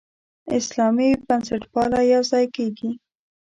اسلامي بنسټپالنه یوځای کېږي.